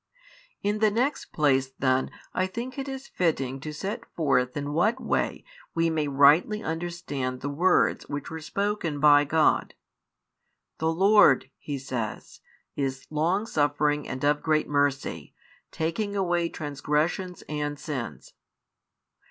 In the next place then I think it is fitting to set forth |8 in what way we may rightly understand the words which were spoken by God. The Lord, He says, is long suffering and of great mercy, taking away transgressions and sins.